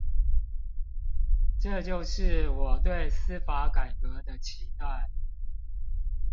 這就是我對司法改革的期待